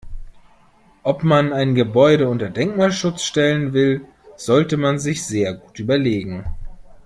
Ob man ein Gebäude unter Denkmalschutz stellen will, sollte man sich sehr gut überlegen.